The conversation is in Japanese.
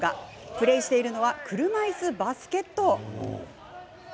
プレーしているのは車いすバスケット。